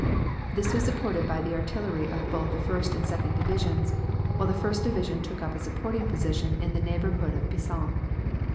This was supported by the artillery of both the First and Second Divisions, while the First Division took up a supporting position in the neighborhood of Peissant.